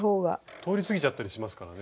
通り過ぎちゃったりしますからね。